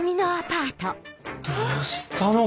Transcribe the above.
どうしたの？